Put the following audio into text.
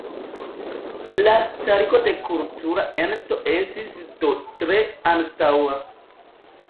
La starigo de kultura ento estis do tre antaŭa.